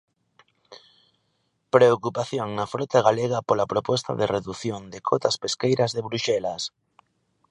Preocupación na frota galega pola proposta de redución de cotas pesqueiras de Bruxelas.